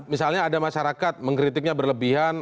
misalnya ada masyarakat mengkritiknya berlebihan